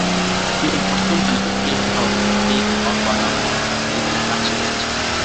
তিনি বর্তমানে "এহদ-এ-ওয়াফা" নামক সিরিয়ালে কাজ করছেন।